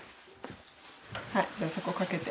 はいじゃあそこかけて。